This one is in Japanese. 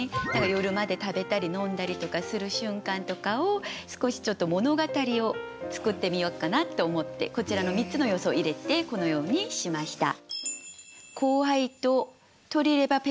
夜まで食べたり飲んだりとかする瞬間とかを少しちょっと物語を作ってみよっかなって思ってこちらの３つの要素を入れてこのようにしました。